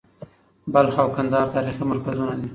بلخ او کندهار تاریخي مرکزونه دي.